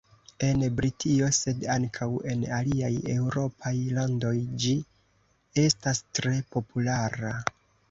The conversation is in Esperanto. En Britio sed ankaŭ en aliaj eŭropaj landoj ĝi estas tre populara.